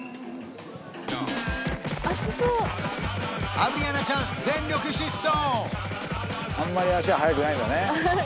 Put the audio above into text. アブリアナちゃん全力疾走！